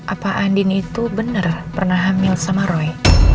apa andin itu benar pernah hamil sama roy